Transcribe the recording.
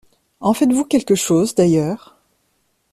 En faites-vous quelque chose, d’ailleurs?